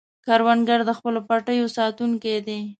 کروندګر د خپلو پټیو ساتونکی دی